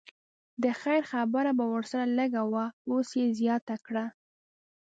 د خیر خبره به ورسره لږه وه اوس یې زیاته کړه.